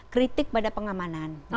kritik pada pengamanan